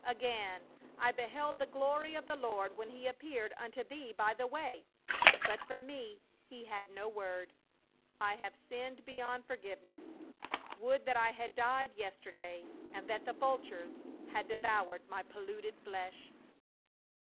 Again, I beheld the glory of the Lord when he appeared unto thee by the way, but for me he had no word. I have sinned beyond forgive ness. Would that I had died yesterday, and that the vultures had devoured my polluted flesh."